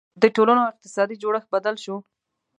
• د ټولنو اقتصادي جوړښت بدل شو.